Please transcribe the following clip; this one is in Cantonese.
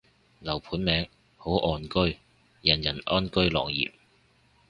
樓盤名，好岸居，人人安居樂業